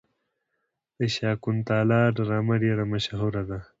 د شاکونتالا ډرامه ډیره مشهوره ده.